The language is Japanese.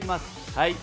はい！